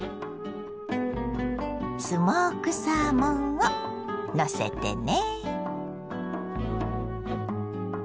スモークサーモンをのせてね。